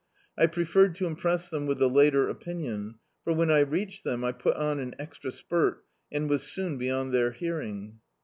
I preferred to impress them with the latter opinion, for, when I reached them, I put on an extra spurt, and was soon beyond their hearing.